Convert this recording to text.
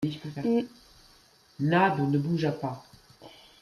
Nab ne bougea pas.